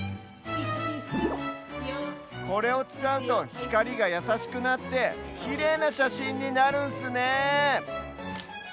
これをつかうとひかりがやさしくなってきれいなしゃしんになるんスね。